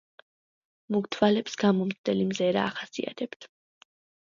მუქ თვალებს გამომცდელი მზერა ახასიათებთ.